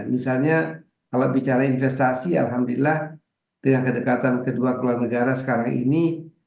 misalnya kalau bicara investasi alhamdulillah dengan kedekatan kedua keluar negara sekarang ini